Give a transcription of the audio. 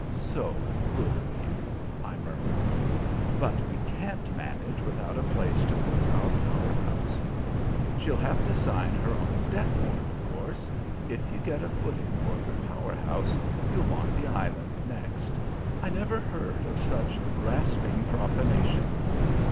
"So good of you!" I murmured. "But we can't manage without a place to put our power house." "She'll have to sign her own death warrant, of course. If you get a footing for your power house you'll want the island next. I never heard of such grasping profanation."